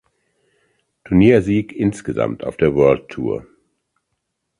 Turniersieg insgesamt auf der World Tour.